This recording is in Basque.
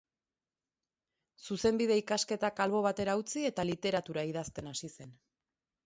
Zuzenbide ikasketak albo batera utzi, eta literatura idazten hasi zen.